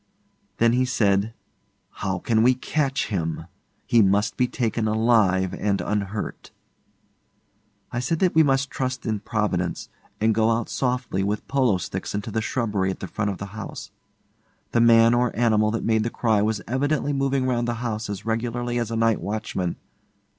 Then he said, 'How can we catch him? He must be taken alive and unhurt.' I said that we must trust in Providence, and go out softly with polo sticks into the shrubbery at the front of the house. The man or animal that made the cry was evidently moving round the house as regularly as a night watchman.